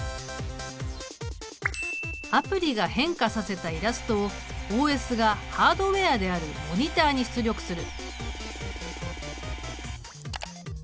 アプリが変化させたイラストをＯＳがハードウェアであるモニタに出力する。